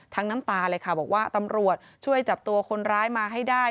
น้ำตาเลยค่ะบอกว่าตำรวจช่วยจับตัวคนร้ายมาให้ได้